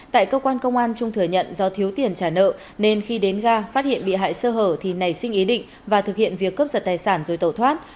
tại cơ quan công an trung thừa nhận do thiếu tiền trả nợ nên khi đến ga phát hiện bị hại sơ hở thì nảy sinh ý định và thực hiện việc cướp giật tài sản rồi tẩu thoát